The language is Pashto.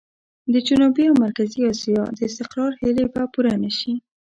د جنوبي او مرکزي اسيا د استقرار هيلې به پوره نه شي.